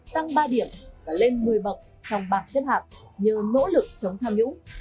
tăng ba điểm và lên một mươi bậc trong bảng xếp hạp nhờ nỗ lực chống tham nhũng